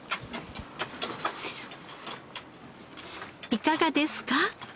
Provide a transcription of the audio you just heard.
いかがですか？